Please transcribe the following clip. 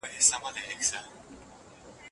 په اسمان کې د وریځو حرکت وګورئ.